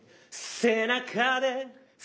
「背中で」